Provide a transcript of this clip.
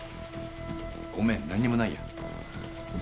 ごめん何にもないや。